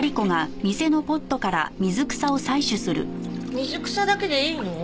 水草だけでいいの？